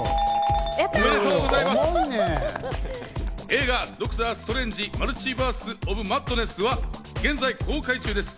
映画『ドクター・ストレンジ／マルチバース・オブ・マッドネス』は現在公開中です。